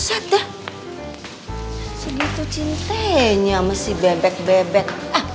sedih tuh cintanya sama si bebek bebek